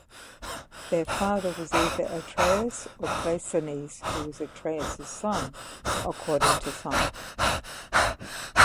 Their father was either Atreus or Pleisthenes, who was Atreus' son, according to some.